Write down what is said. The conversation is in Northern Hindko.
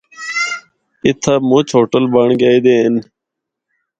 اِتھا مُچ ہوٹل بنڑ گئے دے ہن۔